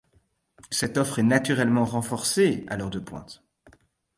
Cette offre est naturellement renforcée à l'heure de pointe.